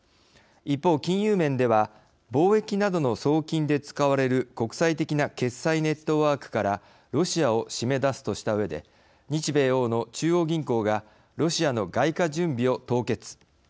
一方、金融面では貿易などの送金で使われる国際的な決済ネットワークからロシアを締め出すとしたうえで日米欧の中央銀行がロシアの外貨準備を凍結。